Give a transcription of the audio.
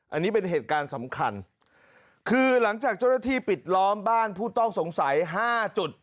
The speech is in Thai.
อันนี้เป็นเหตุการณ์สำคัญคือหลังจากเจ้าหน้าที่ปิดล้อมบ้านผู้ต้องสงสัยห้าจุด